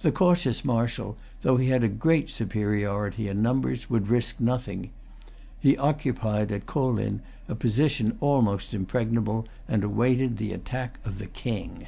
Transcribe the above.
The cautious Marshal, though he had a great superiority in numbers, would risk nothing. He occupied at Kolin a position almost impregnable, and awaited the attack of the King.